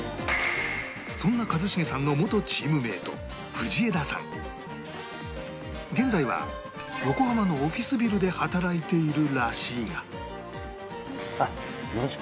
そんな一茂さんの現在は横浜のオフィスビルで働いているらしいが